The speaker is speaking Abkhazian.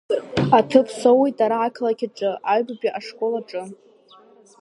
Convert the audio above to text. Аҭыԥ соуеит ара ақалақь аҿы, аҩбатәи ашкол аҿы.